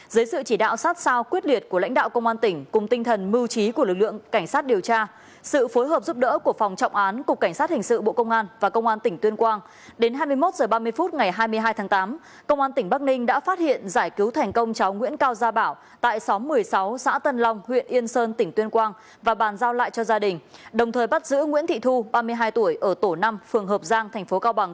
dưới sự chỉ đạo sát sao quyết liệt của lãnh đạo công an tỉnh cùng tinh thần mưu trí của lực lượng cảnh sát điều tra sự phối hợp giúp đỡ của phòng trọng án cục cảnh sát hình sự bộ công an và công an tỉnh tuyên quang đến hai mươi một h ba mươi phút ngày hai mươi hai tháng tám công an tỉnh bắc ninh đã phát hiện giải cứu thành công cháu nguyễn cao gia bảo tại xóm một mươi sáu xã tân long huyện yên sơn tỉnh tuyên quang và bàn giao lại cho gia đình đồng thời bắt giữ nguyễn thị thu ba mươi hai tuổi ở tổ năm phường hợp giang thành phố cao bằng